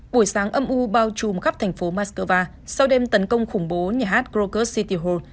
buổi sáng âm u bao trùm khắp thành phố moscow sau đêm tấn công khủng bố nhà hát krokus city hall